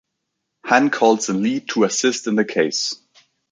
Han calls in Lee to assist in the case.